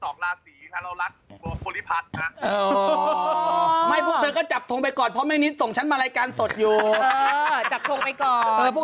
นั่งอยู่๖๒ลาสีนั่ง๖๒ลาสีนั่ง๖๒ลาสีผู้อยากไปข่าวใจใครบ้าง